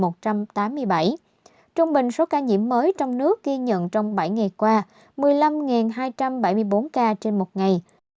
các địa phương ghi nhận số ca nhiễm mới trong nước ghi nhận trong bảy ngày qua một mươi năm hai trăm bảy mươi bốn ca trên một ngày